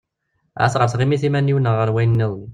Ahat ɣer tɣimit iman-iw neɣ ɣer wayen-nniḍen.